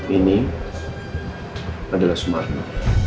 ini adalah sumarno